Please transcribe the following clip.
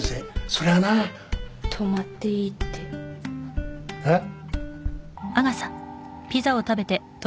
そりゃあな泊まっていいってえっ？